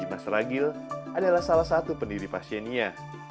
mas ragil adalah salah satu pendiri pasiennya